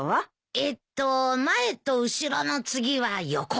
えーと前と後ろの次は横かな？